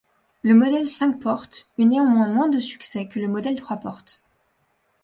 Le modèle cinq portes eu néanmoins moins de succès que le modèle trois portes.